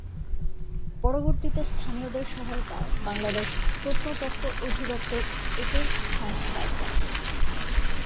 পরবর্তীতে স্থানীয়দের সহয়তায় বাংলাদেশ প্রত্নতত্ত্ব অধিদপ্তর একে সংস্কার করে।